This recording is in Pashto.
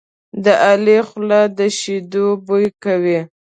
د علي خوله د شیدو بوی کوي.